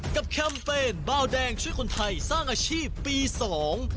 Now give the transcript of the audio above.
แคมเปญเบาแดงช่วยคนไทยสร้างอาชีพปีสอง